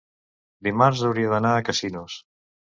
Dimarts hauria d'anar a Casinos.